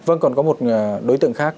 vâng còn có một đối tượng khác